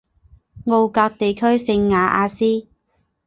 奥格地区圣瓦阿斯。